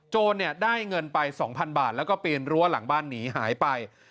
ได้เงินไป๒๐๐๐บาทแล้วก็ปีนรั้วหลังบ้านหนีหายไป